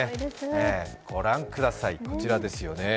ご覧ください、こちらですよね。